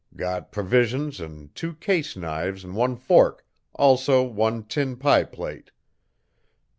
Got provisions an' two case knives an' one fork, also one tin pie plate.